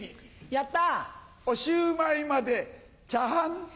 やった。